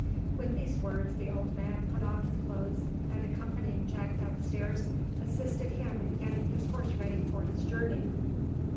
With these words the old man put on his clothes, and accompanying Jack down stairs, assisted him in getting his horse ready for his journey.